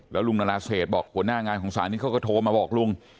แล้วลุงนาราเศษบอกหัวหน้างานของศาลนี้เขาก็โทรมาบอกลุง